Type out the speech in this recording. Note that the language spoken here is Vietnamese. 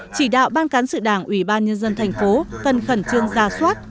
chỉ đạo ban cán sự đảng ủy ban nhân dân thành phố cần khẩn trương ra soát